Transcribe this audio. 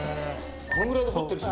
このぐらいで彫ってる。